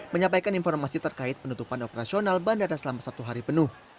menyampaikan informasi terkait penutupan operasional bandara selama satu hari penuh